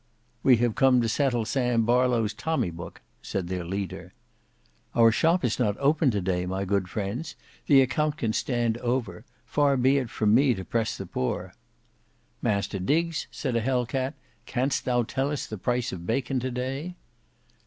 "We have come to settle Sam Barlow's tommy book," said their leader. "Our shop is not open to day my good friends: the account can stand over; far be it from me to press the poor." "Master Diggs," said a Hell cat, "canst thou tell us the price of bacon to day?"